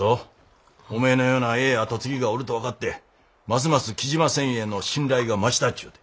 おめえのようなええ後継ぎがおると分かってますます雉真繊維への信頼が増したっちゅうて。